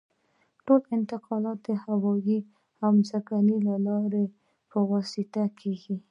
ټول انتقالات د هوایي او ځمکنیو لارو په واسطه کیږي